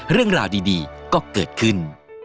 เรื่องราวดีก็เกิดขึ้น